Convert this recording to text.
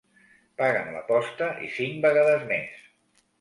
Paguen l'aposta i cinc vegades més.